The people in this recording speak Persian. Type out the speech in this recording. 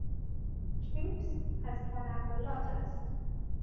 چیپس از تنقلات است.